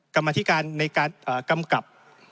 กรรมธิการในการกำกับ